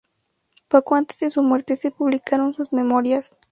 Poco antes de su muerte se publicaron sus memorias.